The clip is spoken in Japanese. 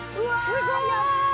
すごい！